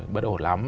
bắt đầu ổn lắm